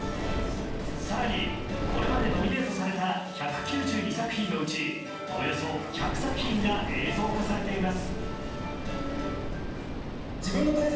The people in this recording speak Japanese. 更にこれまでノミネートされた１９２作品のうちおよそ１００作品が映像化されています。